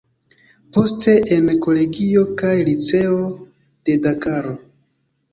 Poste en kolegio kaj liceo de Dakaro.